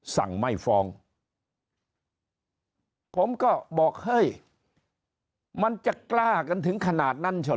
สั่งไม่ฟ้องผมก็บอกเฮ้ยมันจะกล้ากันถึงขนาดนั้นเฉอ